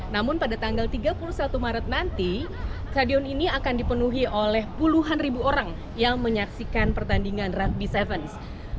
namun pada tanggal tiga puluh satu maret nanti stadion ini akan dipenuhi oleh puluhan ribu orang yang menyaksikan pertandingan rugby tujuh belas